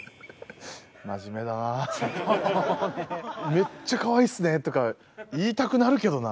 「めっちゃ可愛いっすね」とか言いたくなるけどな。